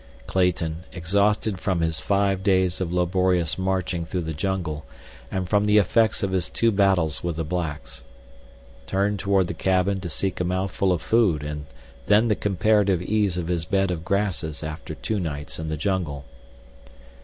Clayton, exhausted from his five days of laborious marching through the jungle and from the effects of his two battles with the blacks, turned toward the cabin to seek a mouthful of food and then the comparative ease of his bed of grasses after two nights in the jungle.